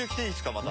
また。